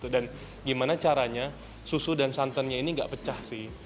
dan gimana caranya susu dan santannya ini enggak pecah sih